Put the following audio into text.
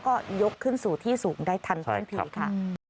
ก็ยกขึ้นสู่ที่สูงได้ทันท่วงทีค่ะ